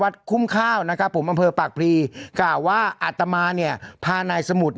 คุ้มข้าวนะครับผมอำเภอปากพรีกล่าวว่าอาตมาเนี่ยพานายสมุทร